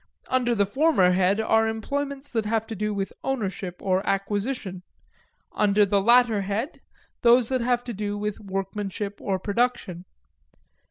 Under the former head are employments that have to do with ownership or acquisition; under the latter head, those that have to do with workmanship or production.